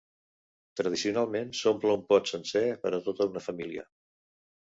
Tradicionalment s'omple un pot sencer per a tota una família.